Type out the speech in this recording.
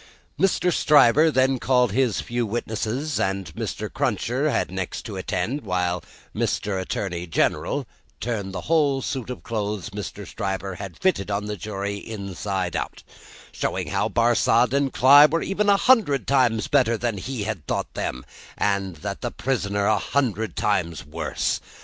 Mr. Stryver then called his few witnesses, and Mr. Cruncher had next to attend while Mr. Attorney General turned the whole suit of clothes Mr. Stryver had fitted on the jury, inside out; showing how Barsad and Cly were even a hundred times better than he had thought them, and the prisoner a hundred times worse.